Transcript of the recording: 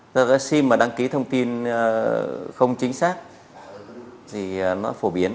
do cái sim mà đăng ký thông tin không chính xác thì nó phổ biến